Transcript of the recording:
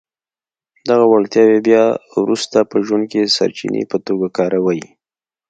دغه وړتياوې بيا وروسته په ژوند کې د سرچینې په توګه کاروئ.